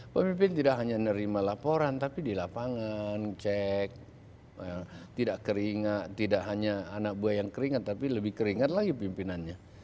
pemimpin tidak hanya nerima laporan tapi di lapangan cek tidak keringat tidak hanya anak buah yang keringat tapi lebih keringat lagi pimpinannya